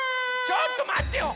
ちょっとまってよ！